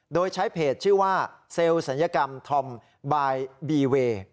โดยใช้เพจชื่อว่าเซลล์ศัลยกรรมธอมบายบีเวย์